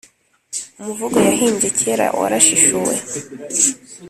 umuvugo yahimbye kera warashishuwe